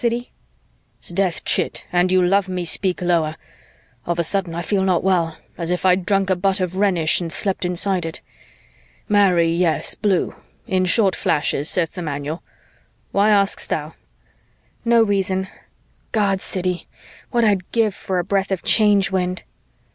Siddy!" "'Sdeath, chit, and you love me, speak lower. Of a sudden, I feel not well, as if I'd drunk a butt of Rhenish and slept inside it. Marry yes, blue. In short flashes, saith the manual. Why ask'st thou?" "No reason. God, Siddy, what I'd give for a breath of Change Wind."